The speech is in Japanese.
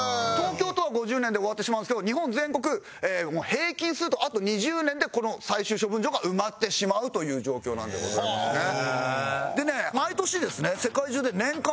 東京都は５０年で終わってしまうんですけど日本全国平均するとあと２０年でこの最終処分場が埋まってしまうという状況なんでございますね。